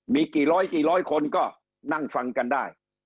มีกี่ร้อยคนก็นั่งฟังกันได้